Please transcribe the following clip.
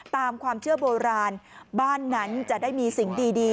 ตามความเชื่อโบราณบ้านนั้นจะได้มีสิ่งดี